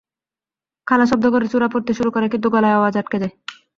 খালা শব্দ করে সুরা পড়তে শুরু করে কিন্তু গলায় আওয়াজ আটকে যায়।